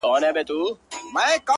بې حیا یم” بې شرفه په وطن کي”